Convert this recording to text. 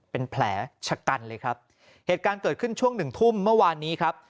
เป็นแผลชะกันเลยครับเหตุการณ์เกิดขึ้นช่วงหนึ่งทุ่มเมื่อวานนี้ครับ